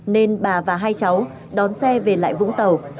nên bà và hai cháu đón xe về lại vũng tàu